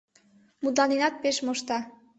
Мутланенат пеш мошта.